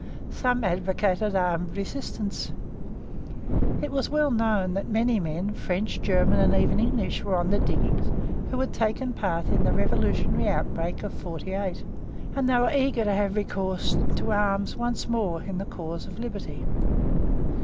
Some advocated armed resistance. It was well known that many men, French, German, and even English, were on the diggings who had taken part in the revolutionary outbreak of '48, and that they were eager to have recourse to arms once more in the cause of liberty.